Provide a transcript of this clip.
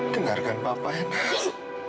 dengarkan papa enak